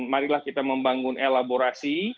marilah kita membangun elaborasi